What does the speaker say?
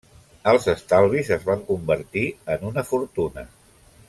Els estalvis es van convertir en una fortuna.